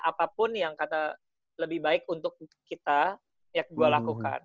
apapun yang kata lebih baik untuk kita yang gue lakukan